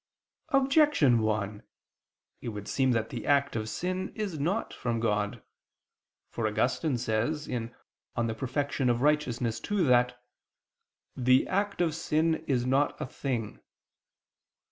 Objection 1: It would seem that the act of sin is not from God. For Augustine says (De Perfect. Justit. ii) that "the act of sin is not a thing."